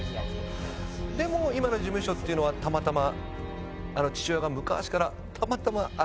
でも今の事務所っていうのはたまたま。